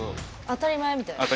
当たり前みたいな？